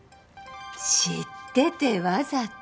知っててわざと。